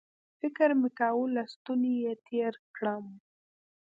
فکر مې کاوه له ستوني یې تېر کړم